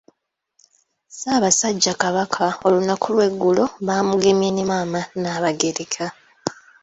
Ssaabasajja Kabaka olunaku lw'eggulo baamugemye ne maama Nnaabagereka.